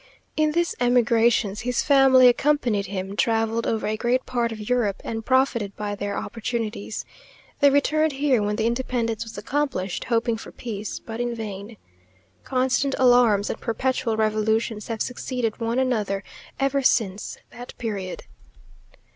In these emigrations, his family accompanied him, travelled over a great part of Europe, and profited by their opportunities. They returned here when the independence was accomplished, hoping for peace, but in vain. Constant alarms, and perpetual revolutions have succeeded one another ever since that period.